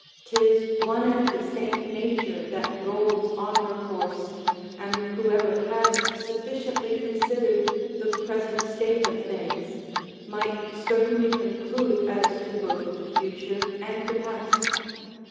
'Tis one and the same nature that rolls on her course, and whoever has sufficiently considered the present state of things, might certainly conclude as to both the future ana the past.